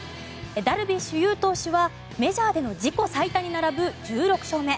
ダルビッシュ有投手はメジャーでの自己最多に並ぶ１６勝目。